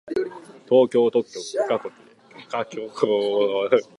東京特許許可局で特許許可を取得する